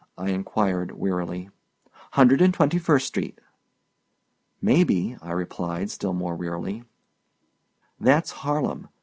I inquired, wearily. "Hundred 'n' twenty first street." "May be," I replied, still more wearily. "That's Harlem.